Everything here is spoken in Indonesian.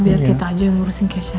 biar kita aja yang ngurusin kesya ya